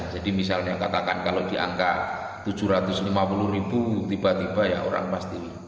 jadi misalnya katakan kalau di angka rp tujuh ratus lima puluh tiba tiba ya orang pasti